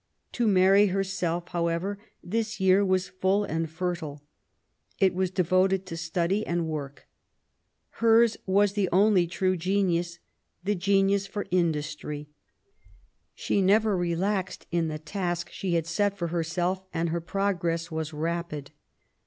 To Mary, herself, however, this year was full and fertile. It was devoted to study and work. Hers was the only true genius, — ^the genius for industry. She never relaxed in the task she had set for herself, and her progress was rapid.